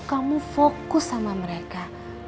kamu fokus sama mereka